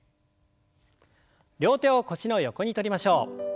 両手を腰の横にとりましょう。